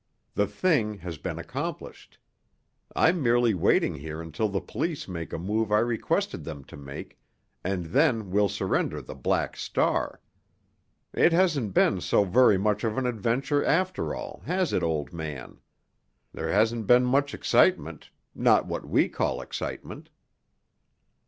The thing has been accomplished. I'm merely waiting here until the police make a move I requested them to make, and then we'll surrender the Black Star. It hasn't been so very much of an adventure, after all, has it, old man? There hasn't been much excitement—not what we call excitement."